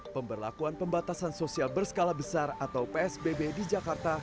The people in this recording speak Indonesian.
pemberlakuan pembatasan sosial berskala besar atau psbb di jakarta